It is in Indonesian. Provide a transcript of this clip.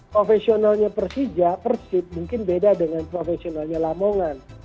profesionalnya persija persib mungkin beda dengan profesionalnya lamongan